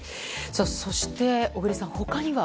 そして、小栗さん、他には？